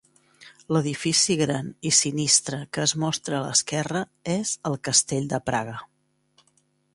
L'edifici gran i sinistre que es mostra a l'esquerra és el castell de Praga.